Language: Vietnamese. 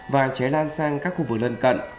và cháy lan sang các khu vực lân cận